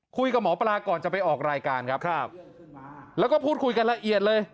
คุยกับหมอปลาก่อนจะไปออกรายการครับครับแล้วก็พูดคุยกันละเอียดเลย